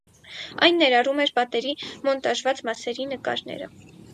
Այն ներառում էր պատերի մոնտաժված մասերի նկարները։